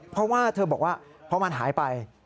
เพราะว่าเธอบอกว่าพอมันหายไป